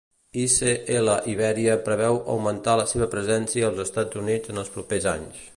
ICL Iberia preveu augmentar la meva presència als Estats Units en els propers anys.